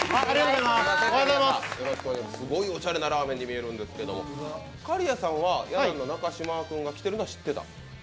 すごいおしゃれなラーメンに見えるんですけど、刈谷さんは、や団の中嶋君が来ているのは知ってた？